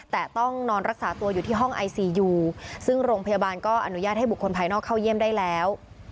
แต่ต้องนอนรักษาตัวอยู่ที่ห้องไอซียูซึ่งโรงพยาบาลก็อนุญาตให้บุคคลภายนอกเข้าเยี่ยมได้แล้ว